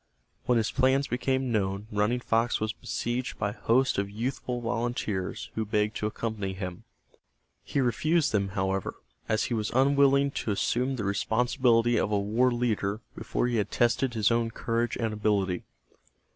When his plans became known Running Fox was besieged by a host of youthful volunteers who begged to accompany him. He refused them, however, as he was unwilling to assume the responsibility of a war leader before he had tested his own courage and ability.